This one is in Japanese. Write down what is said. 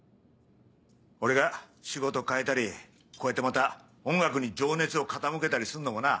俺が仕事変えたりこうやってまた音楽に情熱を傾けたりすんのもな。